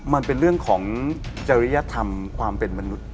มันเป็นเรื่องของจริยธรรมความเป็นมนุษย์